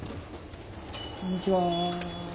こんにちは。